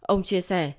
ông chia sẻ